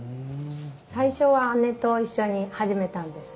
最初は姉と一緒に始めたんです。